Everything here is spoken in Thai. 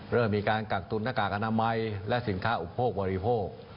เริ่มมีการกักตุนหน้ากากอนามัยและสินค้าอุปโภคบริโภค